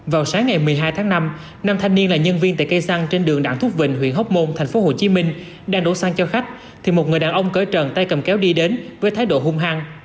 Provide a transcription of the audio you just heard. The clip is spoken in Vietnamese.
vào sáng ngày một mươi hai tháng năm năm thanh niên là nhân viên tại cây xăng trên đường đảng thuốc vịnh huyện hóc môn thành phố hồ chí minh đang đổ xăng cho khách thì một người đàn ông cởi trần tay cầm kéo đi đến với thái độ hung hăng